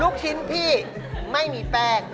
ลูกชิ้นพี่ไม่มีแป้ง